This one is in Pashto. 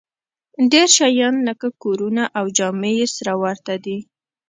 ډېر شیان لکه کورونه او جامې یې سره ورته دي